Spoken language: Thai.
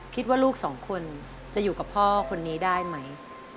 ลูกสองคนจะอยู่กับพ่อคนนี้ได้ไหม